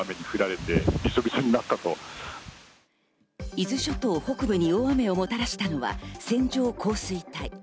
伊豆諸島北部に大雨をもたらしたのは線状降水帯。